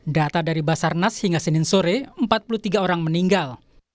data dari basarnas hingga senin sore empat puluh tiga orang meninggal